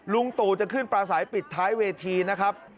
ลุงตู่จะขึ้นปลาสายปิดท้ายเวทีนะครับ